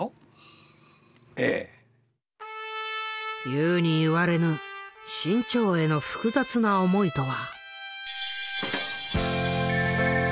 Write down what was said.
言うに言われぬ志ん朝への複雑な思いとは？